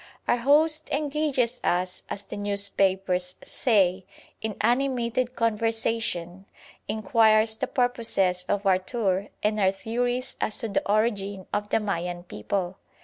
Our host engages us, as the newspapers say, in "animated conversation"; enquires the purposes of our tour, and our theories as to the origin of the Mayan people.